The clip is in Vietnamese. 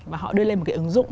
và họ đưa lên một cái ứng dụng